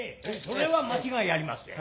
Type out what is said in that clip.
それは間違いありません。